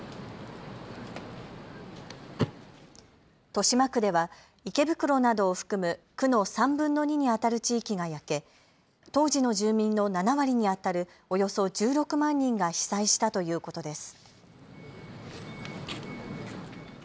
豊島区では池袋などを含む区の３分の２にあたる地域が焼け当時の住民の７割にあたるおよそ１６万人が被災したということです。